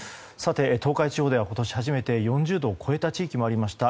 東海地方では今年初めて４０度を超えた地域もありました。